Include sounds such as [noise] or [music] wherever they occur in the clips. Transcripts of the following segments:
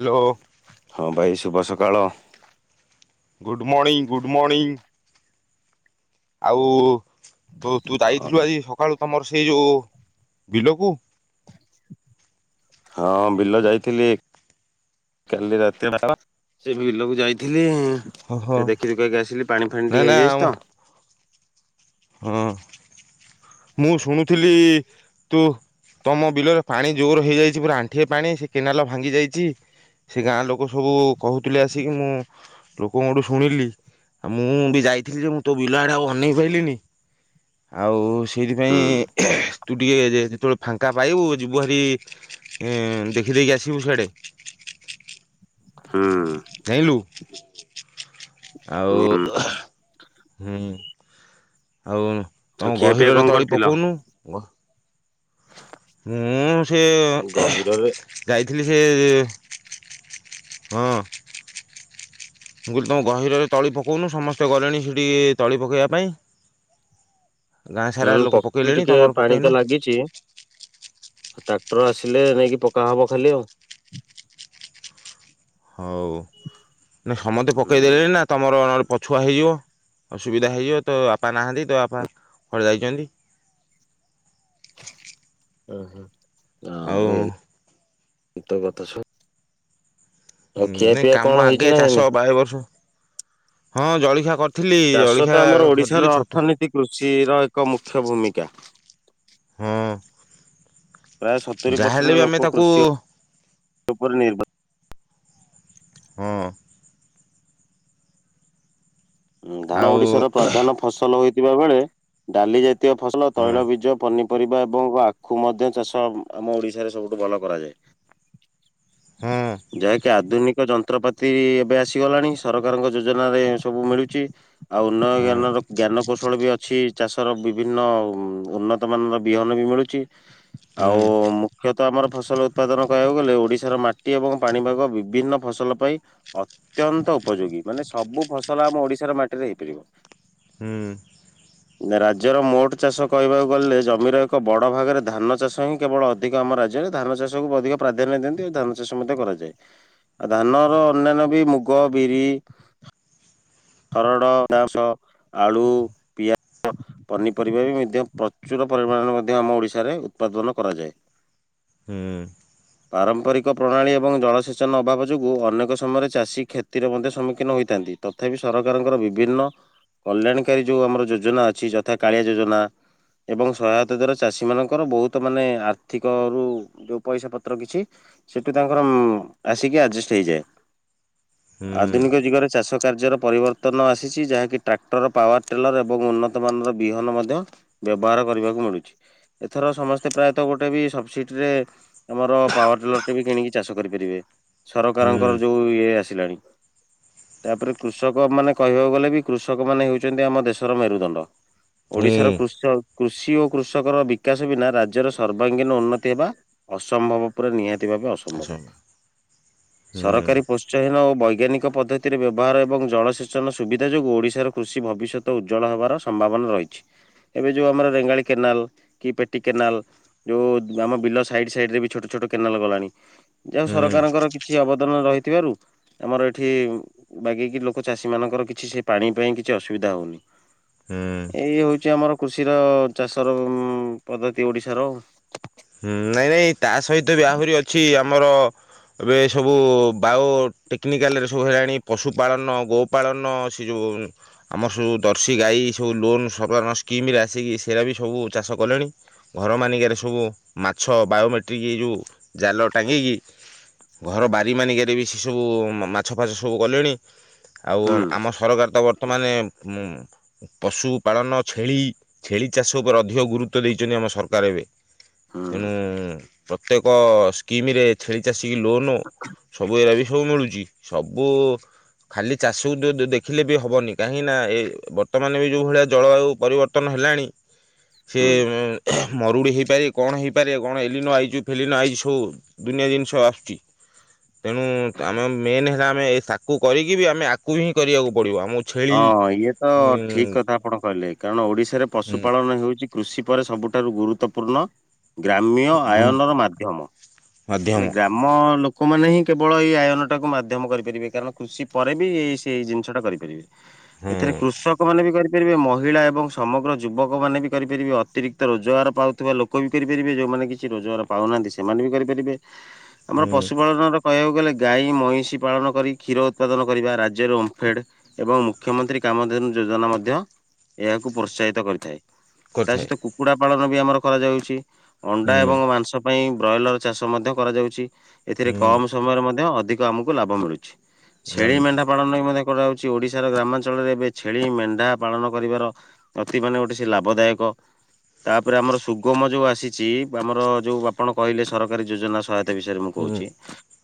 Hello. ହଁ ଭାଇ ଶୁଭ ସକାଳ ଗୁଡ଼୍ ମର୍ଣିଂ ଗୁଡ଼୍ ମର୍ଣିଂ ଆଉ ତ ତୁ ଯାଇଥିଲୁ ଆଜି ସକାଳୁ ତମର ସେଇ ଯୋଉ ବିଲକୁ? ହଁ ବିଲ ଯାଇଥିଲି। କାଲି ରାତିରେ [inaudible] ସେ ବିଲକୁ ଯାଇଥିଲି। ହଁ ହଁ ସେ ଦେଖି ଦୁଖାକି ଆସିଲି ପାଣି ଫାଣି ନା ଟିକେ ନା ହେଇଯାଇଛି ତ। ହଁ। ମୁଁ ଶୁଣୁଥିଲି ତୁ। ତମ ବିଲରେ ପାଣି ଜୋର ହେଇଯାଇଛି ପୁରା ଆଣ୍ଠିଏ ପାଣି ସେ କେନାଲ ଭାଙ୍ଗି ଯାଇଚି। ସେ ଗାଁ ଲୋକ ସବୁ କହୁଥିଲେ ଆସିକି ମୁଁ। ଲୋକଙ୍କଠୁ ଶୁଣିଲି ଆଉ ମୁଁ ବି ଯାଇଥିଲି ଯେ ମୁଁ ତୋ ବିଲ ଆଡ଼େ ଆଉ ଅନେଇ ପାଇଲିିନି। ଆଉ ହୁଁ ସେଇଥିପାଇଁ। ତୁ ଟିକେ ଯେ-ଯେତେବେଳେ ଫାଙ୍କା ପାଇବୁ ଯିବୁ ହେରି। ଏଁ ଦେଖିଦେଇକି ଆସିବୁ ସିଆଡ଼େ। ହୁଁ। ଜାଇଁଲୁ ହୁଁ ଆଉ ହୁଁ। ଆଉ ଆଉ ତମ ଖିଆ ପିଆ ଗହୀରରେ କଣ ତଳି କରିଥିଲ? ପକଉନୁ ଗ ମୁଁ ସେ। ଗହିରରେ ଯାଇଥିଲି ସେ ରେ ହଁ। ମୁଁ କହିଲି ତମ ଗହୀରରେ ତଳି ପକଉନୁ ସମସ୍ତେ ଗଲେଣି ସେଠି ତଳି ପକେଇବା ପାଇଁ। ଗାଁ ହୁଁ ସାରା ଲୋକ ପକେଇ ପକେଇଲେଣି ଟିକେ ତମର ପାଣି ପକେଇନ ତ ଲାଗିଛି। ଟ୍ରାକ୍ଟର ଆସିଲେ ନେଇକି ପକାହବ ଖାଲି ଆଉ। ହଉ ନାଇ ସମସ୍ତେ ପକେଇଦେଲେଣି ନା ତମର ନ ହେଲେ ପ ପଛଆ ହେଇଯିବ ଅସୁବିଧା ହେଇଯିବ ତ ବାପା ନାହାନ୍ତି ତା ବାପା କୁଆଡେ ଯାଇଛନ୍ତି। ଉଁ ହୁଁ ଆଉ ୱେଲ କେତେ କଥା ସ ହୁଁ ନାଇ ପିଆ କଣ କାମ ହେଇଛି ଆଗେ ନା ହେଇନି? ଚାଷ ବାଳେ ବର୍ଷ ହଁ ଜଳିଖିଆ କର୍ ଚାଷ ତ ଆମର ଓଡିଶାର ଅର୍ଥନୀତି କୃଷିର ଏକ ମୁଖ୍ୟ ଭୂମିକା। ହଁ। ପ୍ରାୟ ସତୁରି ଯାହାହେଲେ ବି ପରସେଣ୍ଟ ଆମେ ଲୋକ ତାକୁ କୃଷି ଉପରେ ନିର୍ଭା ହଁ। ହୁଁ ଧାନ ଆଉ ଓଡିଶାର ପ୍ରଧାନ ଫସଲ ହୋଇଥିବା ବେଳେ। ଡାଲି ଜାତୀୟ ଫସଲ ହଁ ତୈଳ ବୀଜ ପନିପରିବା ଏବଂ ଆଖୁ ମଧ୍ୟ ଚାଷ। ଆମ ଓଡିଶାରେ ସବୁଠୁ ଭଲ କରାଯାଏ। ହଁ ଯାହାକି ଆଧୁନି କ ଯନ୍ତ୍ରପାତି ଏବେ ଆସିଗଲାଣି ସରକାରଙ୍କ ଯୋଜନାରେ ସବୁ ମିଳୁଚି। ଆଉ ଉନ୍ନୟ ଜ୍ଞାନର ଜ୍ଞାନ କୌଶଳ ବି ଅଛି। ଚାଷର ବିଭିନ୍ନ ଉଁ ଉନ୍ନତ ମାନର ବିହନ ବି ମିଳୁଚି ଆଉ ନାଇଁ ମୁଁ ଖ୍ଯତ ଆମର ଫସଲ ଉତ୍ପାଦନ କହିବାକୁ ଗଲେ ଓଡ଼ିଶାର ମାଟି ଏବଂ ପାଣିପାଗ ବିଭିନ୍ନ ଫସଲ ପାଇଁ। ଅତ୍ୟନ୍ତ ଉପଯୋଗୀ ମାନେ ସବୁ ଫସଲ ଆମ ଓଡିଶାର ମାଟିରେ ହେଇପାରିବ। ହୁଁ। ନା ରାଜ୍ୟର ମୋଟ ଚାଷ କହିବାକୁ ଗଲେ ଜମିର ଏକ ବଡ଼ ଭାଗରେ ଧାନ ଚାଷ ହିଁ କେବଳ ଅ ଧିକ ଆମ ରାଜ୍ୟରେ ଧାନ ଚାଷକୁ ଅଧିକ ପ୍ରାଧାନ୍ୟ ଦିଅନ୍ତି ଆଉ ଧାନ ଚାଷ ମଧ୍ୟ କରାଯାଏ। ଆଉ ଧାନର ଅନ୍ୟାନ୍ୟ ବି ମୁଗ ବିରି। ହରଡ ନାଂଶ ଆଳୁ ପିଆଜ। ପନିପରିବା ବି ମଧ୍ଯ ପ୍ରଚୁର ପରିମାଣରେ ମଧ୍ୟ ଆମ ଓଡିଶାରେ ଉତ୍ପାଦନ କରାଯାଏ। ହୁଁ। ପାରମ୍ପରିକ ପ୍ରଣାଳୀ ଏବଂ ଜଳସେଚନ ଅଭାବ ଯୋଗୁଁ ଅନେକ ସମୟରେ ଚାଷୀ କ୍ଷତିର ମଧ୍ୟ ସମ୍ମୁଖୀନ ହୋଇଥାନ୍ତି ତ ତଥାପି ସରକାରଙ୍କର ବିଭିନ୍ନ କଲ୍ୟାଣକାରୀ ଯୋଉ ଆମର ଯୋଜନା ଅଛି ଯଥା କାଳିଆ ଯୋଜନା। ଏବଂ ସହାୟତା ଦ୍ଵାରା ଚାଷୀ ମାନଙ୍କର ବହୁତ ମାନେ ଆର୍ଥିକରୁ। ଯୋଉ ପଇସା ପତ୍ର କିଛି ସେଠୁ ତାଙ୍କର ଉଁ ଆସିକି ଆଜଷ୍ଟ ହେଇଯାଏ। ଆଧୁନିକ ଜୁଗରେ ଚାଷ କାର୍ଯ୍ୟର ପରିବର୍ତ୍ତନ ଆସିଛି ଯାହାକି ଟ୍ରାକ୍ଟର ପାୱାର ଟେଲର ଏବଂ ଉନ୍ନତମାନର ବିହନ ମଧ୍ୟ। ବ୍ୟବହାର କରିବାକୁ ମିଳୁଛି ଏଥର ସମସ୍ତେ ପ୍ରାୟତଃ ଗୋଟେ ବି ସବସିଡିରେ ଆମର ପାୱାର ଟେଲର ଟେ ବି କିଣିକି ଚାଷ କରିପାରିବେ, ସରକାରଙ୍କର ଯୋଉ ଇଏ ଆସିଲାଣି। ତାପରେ କୃଷକ ମାନେ କହିବାକୁ ଗଲେ ବି କୃଷକ ମାନେ ହେଉଛନ୍ତି ଆମ ଦେଶର ମେରୁଦଣ୍ଡ। ଓଡ଼ିଶାର କୃଷ କୃଷି ଓ କୃଷକର ବିକାଶ ବିନା ରାଜ୍ୟର ସର୍ବାଙ୍ଗୀନ ଉନ୍ନତି ହେବା ଅସମ୍ଭବ ପୁରା ନିହାତି ଭାବେ ଅସମ୍ଭବ। ଅସମ୍ଭବ ନାଇଁ ସରକାରୀ ପ୍ରୋତ୍ସାହୀନ ଓ ବୈଜ୍ଞାନିକ ପଦ୍ଧତି ପଦ୍ଧତି ବ୍ୟବହାର ଏବଂ ଜଳସେଚନ ସୁବିଧା ଯୋଗୁଁ ଓଡ଼ିଶାର କୃଷି ଭବିଷ୍ୟତ ଉଜ୍ଜ୍ୱଳ ହେବାର ସମ୍ଭାବନା ରହିଛି। ଏବେ ଯୋଉ ଆମର ରେଙ୍ଗାଳି କେନାଲ କି ପେଟି କେନାଲ ଯୋଉ ଆମ ବିଲ ସାଇଡ୍ ସାଇଡ୍ ରେ ବି ଛୋଟ ଛୋଟ କେନାଲ ଗଲାଣି। ଯାହା ସରକାରଙ୍କର କିଛି ଅବଦାନ ରହିଥିବାରୁ ଆମର ଏଠି ବାଗେଇକି ଲୋକ ଚାଷୀ ମାନଙ୍କର କିଛି ସେ ପାଣି ପାଇଁ କିଛି ଅସୁବିଧା ହଉନି। ହଁ। ଏଇ ହଉଛି ଆମର କୃଷିର ଚାଷର ପଦ୍ଧତି ଓଡ଼ିଶାର ହୁଁ ନାଇଁ ନାଇଁ ତା ସହିତ ବି ଆହୁରି ଅଛି ଆମର ଏବେ ସବୁ ବାୟୋ ଟେକ୍ନିକାଲରେ ସବୁ ହେଲାଣି ପଶୁପାଳନ ଗୋ ପାଳନ ସେ ଯୋଉ ଆମର ସବୁ ଜର୍ସି ଗାଈ ସବୁ ଲୋନ୍ ସରକାର ସ୍କିମରେ ଆସିକି ସେଇଟା ବି ସବୁ ଚାଷ କଲେଣି। ଘର ମାନିକାରେ ସବୁ ମାଛ ବାୟୋମେଟ୍ରିକ୍ ଏ ଯେଉଁ ଜାଲ ଟାଙ୍ଗିକି ଘର ବାରି ମାନିକରେ ବି ସେସବୁ ମାଛ ଫାଛ ସବୁ କଲେଣି। ଆଉ ହୁଁ ଆମ ସରକାର ତ ବର୍ତ୍ତମାନ ଉ ପଶୁ ପାଳନ ଛେଳି ଛେଳି ଚାଷ ଉପରେ ଅଧିକ ଗୁରୁତ୍ୱ ଦେଇଛନ୍ତି ଆମ ସରକାର ଏବେ। ହୁଁ ତେଣୁ ପ୍ରତ୍ୟେକ ସ୍କିମରେ ଛେଳି ଚାଷୀ ଲୋନ୍ ସବୁ ଏରା ବି ସବୁ ମିଳୁଛି ସବୁ ଖାଲି ଚାଷକୁ ଦେଖିଲେ ବି ହବନି କାହିଁକି ନା ଏ ବର୍ତ୍ତମାନ ବି ଯୋଉ ଭଳିଆ ଜଳବାୟୁ ପରିବର୍ତ୍ତନ ହେଲାଣି ସେ ହୁଁ। ମରୁଡ଼ି ହେଇପାଇ କଣ ହେଇପାରିବ କଣ ଏଲିନୋ ଆଇଚୁ ଫେଲି ନ ଆଇଜ ସବୁ ଦୁନିଆ ଜିନିଷ ଆସୁଚି। ତେଣୁ ଆମେ ମେନ ହେଲା ଆମେ ଏଇ ତାକୁ କରିକି ବି ଆମେ ଆଗକୁ ହିଁ କରିବାକୁ ପଡ଼ିବ। ଆମ ହଁ ଇଏ ତ ଠିକ୍ କଥା ଆପଣ କହିଲେ କାରଣ ଓଡ଼ିଶାରେ ଭୂମି ପଶୁପାଳନ ହେଉଛି କୃଷି ପରେ ସବୁଠାରୁ ଗୁରୁତ୍ୱପୂର୍ଣ୍ଣ ଗ୍ରାମ୍ୟ ଆୟନର ମାଧ୍ୟମ। ମାଧ୍ୟମ। ଆମ ଲୋକମାନେ ହିଁ କେବଳ ଏଇ ଆୟନଟାକୁ ମାଧ୍ୟମ କରିପାରିବେ କାରଣ କୃଷି ପରେ ବି ଏ ସେଇ ଜିନିଷଟା କରିପାରିବେ। ହୁଁ ଏଥିରେ କୃଷକ ମାନେ ବି କରିପାରିବେ। କରିପାରିବେ ମହିଳା ଏବଂ ସମଗ୍ର ଯୁବକମାନେ ବି କରିପାରିବେ, ଅତିରିକ୍ତ ରୋଜଗାର ପାଉଥିବା ଲୋକ ଲୋକ ବି କରିପାରିବେ ଯୋଉମାନେ କିଛି ରୋଜଗାର ପାଉନାହାନ୍ତି ସେମାନେ ବି କରିପାରିବେ, ଆମର ହୁଁ ପଶୁପାଳନର କହିବାକୁ ଗଲେ ଗାଈ ମଇଁଷି ପାଳନ କରି କ୍ଷୀର ଉତ୍ପାଦନ କରିବା ରାଜ୍ୟରେ ଓମ୍ଫେଡ୍ ଏବଂ ମୁଖ୍ୟମନ୍ତ୍ରୀ କାମଧେନୁ ଯୋଜନା ମଧ୍ୟ ଏହାକୁ ପ୍ରୋତ୍ସାହିତ କରିଥାଏ। ତା କରିଥାଏ ସହିତ କୁକୁଡ଼ା ପାଳନ ବି ଆମର କରାଯାଉଛି ଅଣ୍ଡା ହୁଁ ଏବଂ ମାଂସ ପାଇଁ ବ୍ରଏଲର ଚାଷ ମଧ୍ୟ କରାଯାଉଚି, ଏଥିରେ ହୁଁ କମ୍ ସମୟରେ ମଧ୍ୟ ଅଧିକ ଆମକୁ ଲାଭ ମିଳୁଚି। ଛେଳି ଜାଣୁଛି ମେଣ୍ଢା ପାଳନ ମଧ୍ଯ କରା [unintelligible] ଓଡ଼ିଶାର ଗ୍ରାମାଞ୍ଚଳରେ ଏବେ ଛେଳି ମେଣ୍ଢା ପାଳନ କରିବ ଅତି ମାନେ ଗୋଟେ ସେ ଲାଭଦାୟକ। ତାପରେ ଆମର ସୁଗମ ଯୋଉ ଆସିଛି ଆମର ଯୋଉ ଆପଣ କହିଲେ ସରକାରୀ ଯୋଜନା। ସହାୟତା ବିଷୟରେ ମୁଁ ହୁଁ କହୁଛି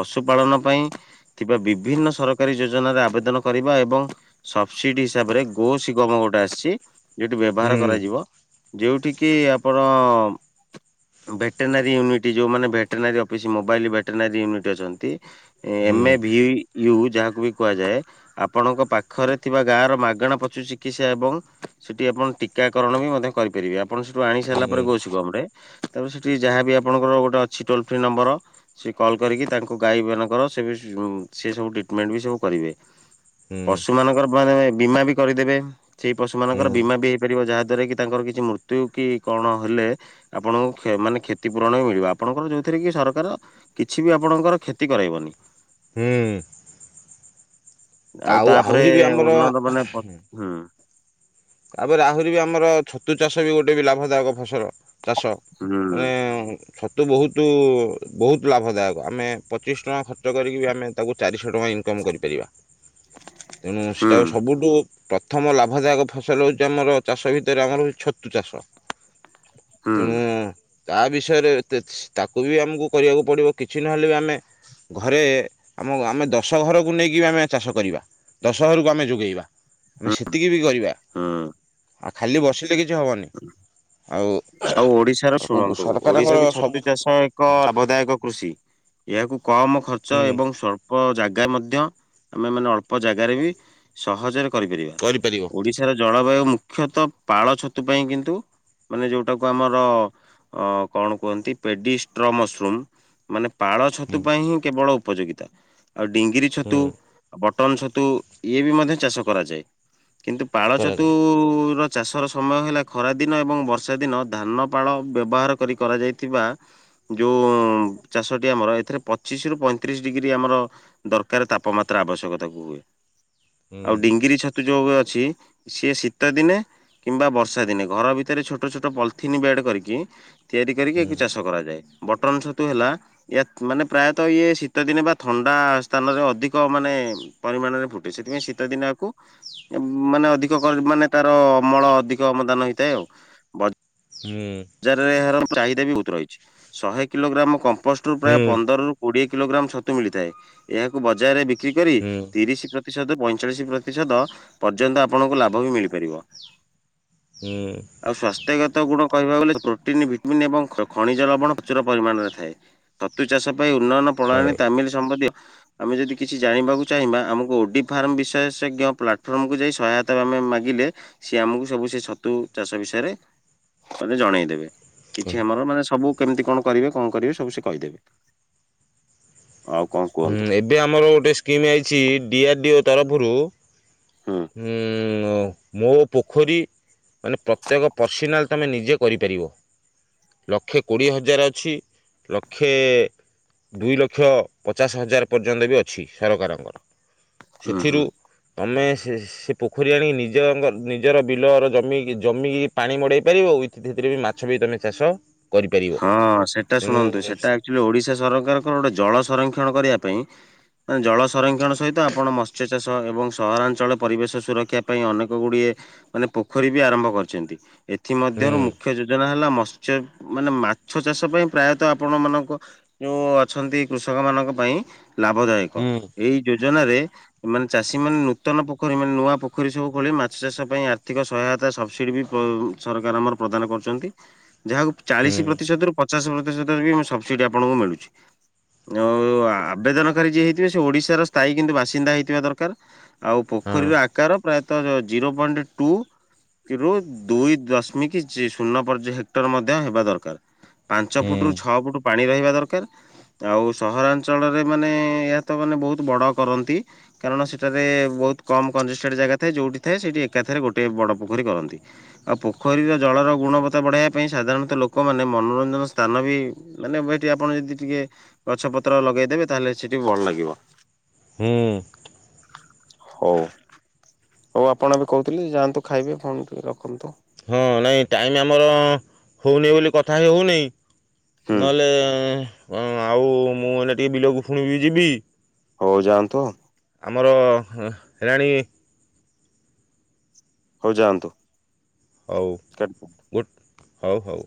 ପଶୁ ପାଳନ ପାଇଁ ଥିବା ବିଭିନ୍ନ ସରକାରୀ ଯୋଜନାରେ ଆବେଦନ କରିବା ଏବଂ ସବସିଡି ହିସାବରେ ଗୋ ଶିଗମ ଗୋଟେ ଆସିଛି ଯୋଉଟା ବ୍ୟବହାର ହୁଁ କରାଯିବ ଯୋଉଠ କିି ଆପଣ ଭେଟେନାରୀ ୟୁନିଟ ଯୋଉମାନେ ଭେଟେନାରୀ ମୋବାଇଲ ଭେଟେନାରୀ ୟୁନିଟ୍ ଅଛନ୍ତି ଏମ ହୁଁ ଏ ଭି ୟୁ ଯାହାକୁ ବି କୁହାଯାଏ। ଆପଣଙ୍କ ପାଖରେ ଥିବା ଗାଁ ର ମାଗଣା ପଶୁ ଚିକିତ୍ସା ଏବଂ ସେଠି ଆପଣ ଟିକାକରଣ ବି ମଧ୍ୟ କରିପାରିବେ ଆପଣ ସେଠୁ ଆଣି ହୁଁ ସାରିଲା ପରେ ଗୋଷି ଗମ ରେ ତାପରେ ସେଠି ଯାହା ବି ଆପଣଙ୍କର ଗୋଟେ ଅଛି ଟୋଲ ଫ୍ରି ନମ୍ବର। ସେ କଲ୍ କରିକି ତାଙ୍କୁ ଗାଈ ମାନଙ୍କର ସେ ସେ ସବୁ ଟ୍ରିଟମେଣ୍ଟ ବି ସବୁ କରିବେ। ହୁଁ ପଶୁ ମାନଙ୍କର ମାନ ବୀମା ବି କରିଦେବେ ସେଇ ପଶୁ ମାନଙ୍କର ହୁଁ ବୀମା ବି ରିବ ଯାହା ଦ୍ଵାରା କି ତାଙ୍କର କିଛି ମୃତ୍ୟୁ କି କଣ ହେଲେ। ଆପଣଙ୍କୁ ମାନେ କ୍ଷତିପୂରଣ ହଁ ମିଳିବ ଆପଣଙ୍କର ଯୋଉ ସେଥିରେ କି ସରକାର କିଛି ବି ଆପଣଙ୍କର କ୍ଷତି କରାଇବନି। ହୁଁ। ଆଉ ତାପରେ ଆହୁରି ବି ଆମର ଉନ୍ନତ ମାନେ ହୁଁ। ତାପରେ ଆହୁରି ବି ଆମର ଛତୁ ଚାଷ ବି ଗୋଟେ ବି ଲାଭ ଦାୟକ ଫସଲ ଚାଷ। ହୁଁ ମାନେ। ଛତୁ ବହୁତ ବହୁତ ଲାଭଦାୟକ ଆମେ ପଚିଶ ଟଙ୍କା ଖର୍ଚ୍ଚ କରିକି ବି ଆମେ ତାକୁ ଚାରିଶହ ଟଙ୍କା ଇନକମ୍ କରିପାରିବା। ତେଣୁ ହୁଁ ସେଟା ସବୁଠୁ ପ୍ରଥମ ଲାଭଦାୟକ ଫସଲ ହଉଛି ଆମର ଚାଷ ଭିତରେ ଆମର ହଉଛି ଛତୁ ଚାଷ ହୁଁ ତେଣୁ ତା ବିଷୟରେ ଏତେ ତାକୁ ବି ଆମକୁ କରିବାକୁ ପଡିବ କିଛି ନହେଲେ ବି ଆମେ ଘରେ ଆମ ଆମେ ଦଶ ଘରକୁ ନେଇକି ଆମେ ଚାଷ କରିବା। ଦଶହରକୁ ଆମେ ଯୋଗେଇବା ଆମେ ସେତିକି ବି କରିବା। ହଁ। ଆଉ ଖାଲି ବସିଲେ କିଛି ହେବନି ଆଉ ଆଉ ଓଡିଶାର ତାକୁ ଶୁଣନ୍ତୁ ସରକାରଙ୍କର ଓଡିଶା ବି ସବୁ ଛତୁ ଚାଷ ଏକ ଲାଭଦାୟକ କୃଷି ଏହାକୁ କମ ଖର୍ଚ୍ଚ ହୁଁ ଏବଂ ସଳ୍ପ ଅଳ୍ପ ଜାଗା ମଧ୍ୟ ଆମେ ମାନେ ଅଳ୍ପ ଜାଗାରେ ବି ସହଜରେ କରିପାରିବା। କରିପାରିବ। ଓଡିଶାର ଜଳବାୟୁ ମୁଖ୍ୟତଃ ପାଳ ଛତୁ ପାଇଁ କିନ୍ତୁ ମାନେ ଯୋଉ କୁ ଆମର କଣ କୁହନ୍ତି ପେଡ଼ି ଷ୍ଟ୍ର ମଶ୍ରୁମ୍। ପାଳ ଛତୁ ହୁଁ ପାଇଁ ହିଁ କେବଳ ଉପଯୋଗିତା ଆଉ ଡିଙ୍ଗିରି ଛତୁ ହୁଁ ବଟନ ଛତୁ ଇଏ ବି ମଧ୍ୟ ଚାଷ କରାଯାଏ କିନ୍ତୁ ପାଳ ଛତୁ କରାଯାଏ ର ଚାଷର ସମୟ ହେଲା ଖରାଦିନ ଏବଂ ବର୍ଷା ଦିନ ଧାନ ପାାଳ ବ୍ୟବହାର କରି କରାଯାଇଥିବା ଯେଉଁ ଚାଷଟି ଆମର ଏଥିରେ ପଚିଶ ରରୁ ପଇଁତିରିଶ ଡିଗ୍ରୀ ଆମର। ଦରକାର ତାପମାତ୍ରା ଆବଶ୍ୟକତା କୁ ହୁଏ ହୁଁ ଆଉ ଡିଙ୍ଗିରି ଛ ଯୋଗ ଅଛି ସିଏ ଶୀତ ଦିନେ କିମ୍ବା ବର୍ଷା ଦିନେ ଘର ଭିତରେ ଛୋ ଛୋଟ ଛୋଟ ପଲିଥିନ୍ ବେଡ୍ କରିକି ତିଆରି କରିକି ହୁଁ ଆକୁ ଚାଷ କରାଯାଏ ବଟନ୍ ଛତୁ ହେଲା। ୟ ମାନେ ପ୍ରାୟତଃ ଇଏ ଶୀତଦିନେ ବା ଥଣ୍ଡା ସ୍ଥାନରେ ଅଧିକ ମାନେ। ପରିମାଣରେ ଫୁଟେ ସେଥିପାଇଁ ଶୀତ ଦିନ ଆକୁ। ମାନେ ଅଧିକ ମାନେ ତାର ଅମଳ ଅଧିକ ଅମଦାନ ହେଇଥାଏ ଆଉ ହୁଁ। ବଜାରରେ ଏହାର ଚାହିଦା ବି ବହୁତ ରହିଛି ଶହେ କିଲୋଗ୍ରାମ କମ୍ପୋଷ୍ଟ ରୁ ପ୍ରାୟ ହୁଁ ପନ୍ଦରରୁ କୋଡିଏ କିଲୋଗ୍ରାମ ଛତୁ ମିଳିଥାଏ ଏହାକୁ ବଜାରରେ ବିକ୍ରି କରି ହୁଁ ତିରିଶ ପ୍ରତିଶତ ପଇଁଚାଳିଶ ପ୍ରତିଶତ ପର୍ଯ୍ୟନ୍ତ ଆପଣଙ୍କୁ ଲାଭ ବି ମିଳିପାରିବ। ହଁ। ଆଉ ସ୍ଵାସ୍ଥ୍ୟଗତ ଗୁଣ କହିବାକୁ ଗଲେ ପ୍ରୋଟିନ ଭିଟିମିନ୍ ଏବଂ ଖଣିଜ ଲବଣ ପ୍ରଚୁର ପରିମାଣରେ ଥାଏ। ତତୁ ଚାଷ ପାଇଁ ଉନ୍ନୟନ ହଉ ପ୍ରଣାଳୀ ତାମିଲ ସମ୍ବନ୍ଧୀୟ ଆମେ ଯଦି କିଛି ଜାଣିବାକୁ ଚାହିଁବା ଆମକୁ ଓଡି ଫାର୍ମ ବିଶେଷଜ୍ଞ ପ୍ଲାଟଫର୍ମକୁ ଯାଇ ସହାୟତା ୟତ ଆମେ ମାଗିଲେ ସିଏ ଆମକୁ ସବୁ ସେ ଛତୁ ଚାଷ ବିଷୟରେ ମାନେ ଜଣେଇଦେବେ କିଛିି ହୁଁ ଆମର ମାନେ ସବୁ କେମିତି କଣ କରିବେ କଣ କରିବେ ସବୁ ସେ କହିଦେବେ। ଆଉ କଣ ହଁ କୁହନ୍ତୁ ଏବେ ଆମର ଗୋଟିଏ ସ୍କିମ୍ ଆଇଛି ଡିଆର୍ ଡି ଓ ତରଫରୁ। ହଁ। ହୁଁ ହ ମୋ ପୋଖରୀ ମାନେ ପ୍ରତ୍ୟେକ ପର୍ସନାଲ୍ ତୁମେ ନିଜେ କରିପାରିବ। ଲକ୍ଷେ କୋଡ଼ିଏ ହଜାର ଅଛି ଲକ୍ଷେ ଦୁଇ ଲକ୍ଷ ପଚାଶ ହଜାର ପର୍ଯ୍ୟନ୍ତ ବି ଅଛି ସରକାରଙ୍କର। ହୁଁ ସେଥିରୁ ହୁଁ ଆମେ ସେ ସେ ପୋଖରୀ ଆଣିକି ନିଜ ନିଜର ବିଲର ଜମିକି ଜମିକି ପାଣି ମଡ଼ାଇ ପାରିବ ସେଥି ଥିରେ ବି ମାଛ ବି ତମେ ଚାଷ କରିପାରିବ ହଁ ସେଟା ତେଣୁ ହୁଁ ଶୁଣନ୍ତୁ ସେଟା ଆକୁଚୁଆଲି ଓଡିଶା ସରକାରଙ୍କର ଗୋଟେ ଜଳ ସଂରକ୍ଷଣ କରିବା ପାଇଁ ଜଳ ସଂରକ୍ଷଣ ସହିତ ଆପଣ ମତ୍ସ୍ୟ ଚାଷ ଏବଂ ସହରାଞ୍ଚଳ ପରିବେଶ ସୁରକ୍ଷା ପାଇଁ ଅନେକ ଗୁଡ଼ିଏ ମାନେ ପୋଖରୀ ବି ଆରମ୍ଭ କରିଛନ୍ତି ଏଥି ହୁଁ ମଧ୍ୟରୁ ମୁଖ୍ୟ ଯୋଜନା ହେଲା ମତ୍ସ୍ୟ ମାନେ ମାଛ ଚାଷ ପାଇଁ ପ୍ରାୟତଃ ଆପଣ ମାନଙ୍କ ଯୋଉ ଅଛନ୍ତି କୃଷକ ମାନଙ୍କ ପାଇଁ ଲାଭ ଦାୟକ ହୁଁ ଏଇ ଯୋଜନାରେ ମାନେ ଚାଷୀ ନୂତନ ପୋଖରୀ ମାନେ ନୂଆ ପୋଖରୀ ସବୁ ଖୋଳି ମାଛ ଚାଷ ପାଇଁ ଆର୍ଥିକ ସହାୟତା ସବସିଡି ବି ପ ସରକାର ଆମର ପ୍ରଦାନ କରୁଛନ୍ତି ଯାହାକୁ ଚାଳିଶି ପ୍ରତିଶତରୁ ପଚାଶ ପ୍ରତିଶତରେ ବି ସବସିଡି ଆପଣଙ୍କୁ ମିଳୁଛି। ଆଉ ଆବେଦନକାରୀ ଯିଏ ହେଇଥିବେ ସେ ଓଡିଶାର ସ୍ଥାୟୀ କିନ୍ତୁ ବାସିନ୍ଦା ହେଇଥିବା ଦରକାର। ଆଉ ହଁ ପୋଖରୀର ଆକାର ପ୍ରାୟତଃ ଜିରୋ ପଏଣ୍ଟ ଟୁ ଦୁଇ ଦଶମିକ ଜି ଶୂନ ପର୍ଯ୍ୟ ହେକ୍ଟର ମ ମଧ୍ୟ ହେବା ଦରକାର ପାଞ୍ଚ ହୁଁ ଫୁଟ ରୁ ଛଅ ଫୁଟ ପାଣି ରହିବା ଦରକାର। ଆଉ ସହରାଞ୍ଚଳରେ ମାନେ ଏହା ତ ମାନେ ବହୁତ ବଡ଼ କରନ୍ତି। କାରଣ ସେଠାରେ ବହୁତ କମ କଂଜେଷ୍ଟେଡ ଜାଗା ଥାଏ ଯୋଉଠି ଥାଏ ସେଇଠି ଏକାଥରେ ଗୋଟେ ବଡ଼ ପୋଖରୀ କରନ୍ତି। ଆଉ ପୋଖରୀର ଜଳର ଗୁଣବତ୍ତା ବଢ଼ାଇବା ପାଇଁ ସାଧାରଣତଃ ଲୋକମାନୋନେ ମନୋରଞ୍ଜନ ସ୍ଥାନ ବି ମାନେ ସେଠି ଆପଣ ଯଦି ଟିକେ ଗଛପତ୍ର ଲଗେଇଦେବେ ତାହେଲେ ସେଠି ଭଲ ଲାଗିବ। ହୁଁ। ହଉ। ହଉ ଆପଣ ଏବେ କହୁଥିଲେ ଯାଆନ୍ତୁ ଖାଇବେ ଫୋନ୍ ଟି ରଖନ୍ତୁ। ହଁ ନାଇଁ ଟାଇମ୍ ଆମର ହେଉନି ବୋଲି କଥା ହେ ହେଉନି ହୁଁ ନହେଲେ ହଁ ଆଉ ମୁଁ ଏଇନେ ଟିକିଏ ବିଲକୁ ଫୁଣିବି ଯିବି। ହଉ ଯାଆନ୍ତୁ। ଆମର ହେଲାଣି ହଉ ଯାଆନ୍ତୁ। ହଉ କାଟନ୍ତୁ। ଗୁଟ୍ ହଉ ହଉ।